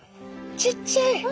ちっちゃい。